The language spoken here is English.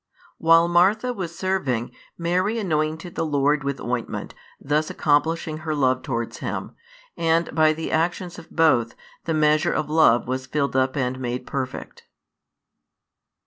While Martha was serving, Mary anointed the Lord with ointment, thus accomplishing her love towards Him; and by the actions of both, the measure of love was filled up and made perfect.